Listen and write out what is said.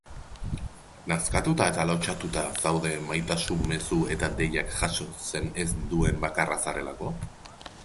Nazkatuta eta lotsatuta zaude maitasun mezu eta deiak jasotzen ez duen bakarra zarelako?